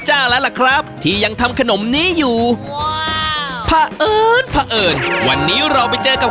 แล้วล่ะครับที่ยังทำขนมนี้อยู่พระเอิญพระเอิญวันนี้เราไปเจอกับ